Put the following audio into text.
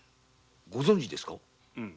ご存じですか。